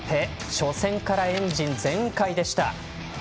初戦からエンジン全開でした。